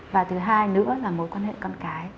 và thứ hai nữa là mối quan hệ con cái